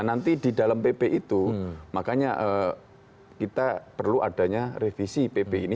nanti di dalam pp itu makanya kita perlu adanya revisi pp ini